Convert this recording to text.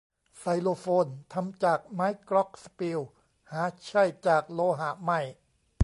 ไซโลโฟน ทำจากไม้กล็อคสปีล หาใช่จากโลหะไม่